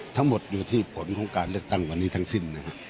ทั้งหมดอยู่ที่ผลของการเลือกตั้งวันนี้ทั้งสิ้นนะฮะ